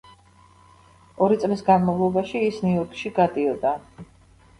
ორი წლის განმავლობაში ის ნიუ-იორკში გადიოდა.